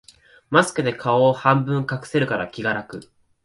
マスクで顔を半分隠せるから気が楽